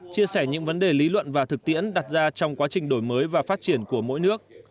chia sẻ những vấn đề lý luận và thực tiễn đặt ra trong quá trình đổi mới và phát triển của mỗi nước